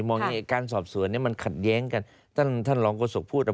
อย่างนี้การสอบสวนเนี้ยมันขัดแย้งกันท่านท่านรองโฆษกพูดอ่ะ